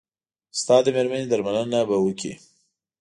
ستا د مېرمنې درملنه به وکړي.